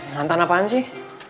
mantan apaan sih